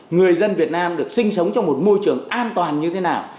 người dân việt nam được sinh sống trong một môi trường an toàn như thế nào